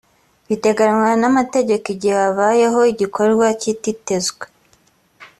biteganywa n’ amategeko igihe habayeho igikorwa cy’ititezwe